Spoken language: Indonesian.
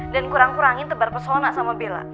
dan kurang kurangin tebar pesona sama bella